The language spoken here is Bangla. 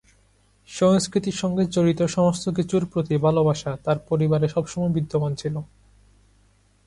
সংস্কৃতির সঙ্গে জড়িত সমস্ত কিছুর প্রতি ভালোবাসা তার পরিবারে সবসময় বিদ্যমান ছিল।